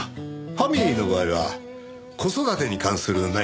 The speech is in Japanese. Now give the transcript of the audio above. ファミリーの場合は子育てに関する悩みですね。